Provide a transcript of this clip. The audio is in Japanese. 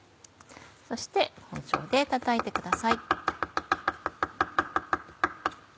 そして包丁で叩いてください。